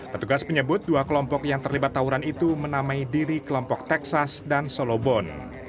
petugas menyebut dua kelompok yang terlibat tawuran itu menamai diri kelompok texas dan solobon